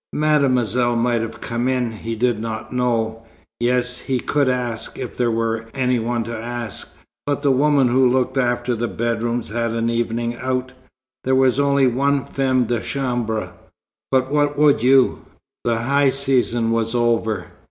Mademoiselle might have come in. He did not know. Yes, he could ask, if there were any one to ask, but the woman who looked after the bedrooms had an evening out. There was only one femme de chambre, but what would you? The high season was over.